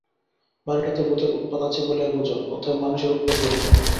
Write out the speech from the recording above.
বাড়িটাতে ভূতের উৎপাত আছে বলিয়া গুজব, অতএব মানুষের উৎপাত ঘটিবে না।